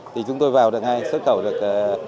thì chúng tôi vào được ngay xuất khẩu được